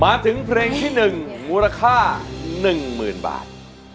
มาถึงเพลงที่๑มูลค่า๑๐๐๐บาท